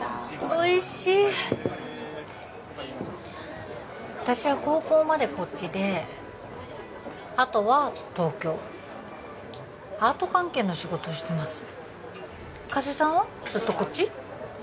おいしい私は高校までこっちであとは東京アート関係の仕事をしてます加瀬さんはずっとこっち？